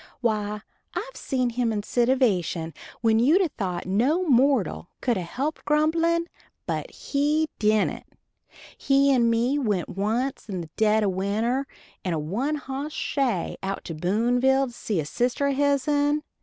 Why I've seen him in sitivation when you'd a thought no mortal could a helped grumblin'; but he dident. He and me went once in the dead of winter in a one hoss shay out to Boonville to see a sister o' hisen.